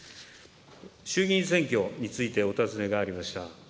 衆議院選挙についてお尋ねがありました。